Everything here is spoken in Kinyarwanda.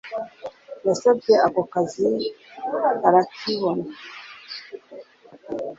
Yasabye ako kazi arakibona